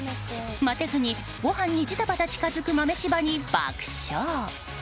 待てずにごはんにジタバタ近づく豆柴に爆笑。